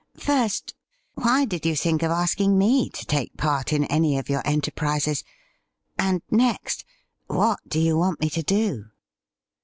' First, why did you think of asking me to take part in any of your enterprises ; and next, what do you want me to do